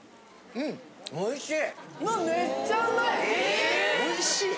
うんおいしい。